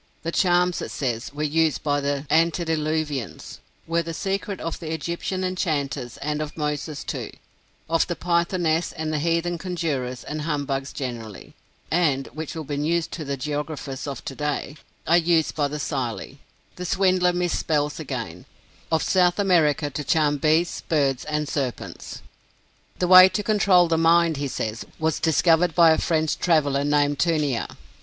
The "charms," it says, were used by the "Anted_e_luvians;" were the secret of the Egyptian enchanters and of Moses, too; of the Pythoness and the heathen conjurors and humbugs generally; and (which will be news to the geographers of to day) "are used by the Psyli (the swindler mis spells again) of South America to charm Beasts, Birds, and Serpents." The way to control the mind, he says, was discovered by a French traveler named Tunear.